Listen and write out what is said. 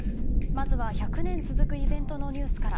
まずは、１００年続くイベントのニュースから。